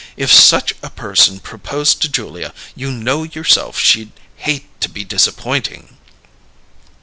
If such a person proposed to Julia, you know yourself she'd hate to be disappointing!"